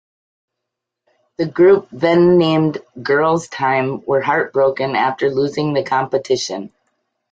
The group, then named "Girl's Tyme" were heartbroken after losing the competition.